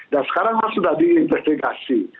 dan sekarang sudah diinvestigasi